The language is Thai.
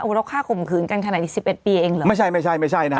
เราฆ่าข่มขืนกันขนาดนี้สิบเอ็ดปีเองเหรอไม่ใช่ไม่ใช่นะฮะ